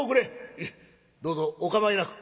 「いえどうぞお構いなく」。